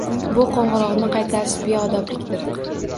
Bu qo‘ng‘iroqni qaytarish beodoblikdir.